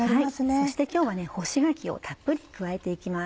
そして今日は干し柿をたっぷり加えて行きます。